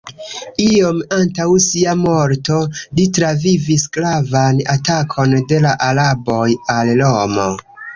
Iom antaŭ sia morto, li travivis gravan atakon de la araboj al Romo.